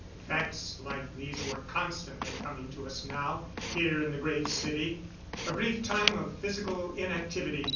Facts like these were constantly coming to us now, here in the Great City. A brief time of physical inactivity.